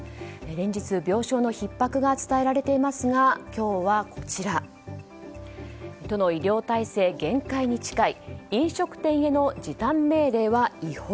連日、病床のひっ迫が伝えられていますが今日はこちら都の医療体制限界に近い飲食店への時短命令は違法。